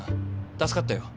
助かったよ。